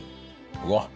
うわっ！